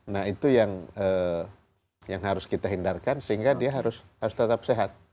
nah itu yang harus kita hindarkan sehingga dia harus tetap sehat